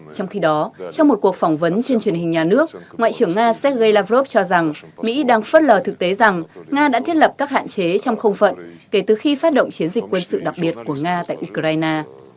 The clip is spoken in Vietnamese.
trong khi đó trong một cuộc phỏng vấn trên truyền hình nhà nước ngoại trưởng nga sergei lavrov cho rằng mỹ đang phớt lờ thực tế rằng nga đã thiết lập các hạn chế trong không phận kể từ khi phát động chiến dịch quân sự đặc biệt của nga tại ukraine